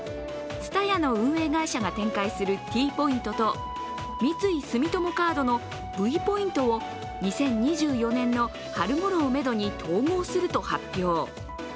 ＴＳＵＴＡＹＡの運営会社が展開するＴポイントと三井住友カードのＶポイントを２０２４年の春ごろをめどに統合すると発表。